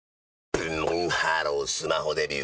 ブンブンハロースマホデビュー！